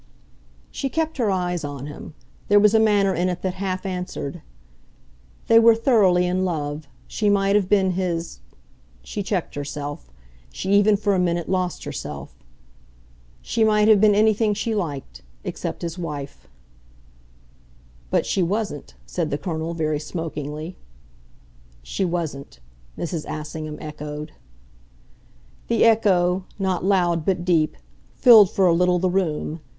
She kept her eyes on him; there was a manner in it that half answered. "They were thoroughly in love. She might have been his " She checked herself; she even for a minute lost herself. "She might have been anything she liked except his wife." "But she wasn't," said the Colonel very smokingly. "She wasn't," Mrs. Assingham echoed. The echo, not loud but deep, filled for a little the room.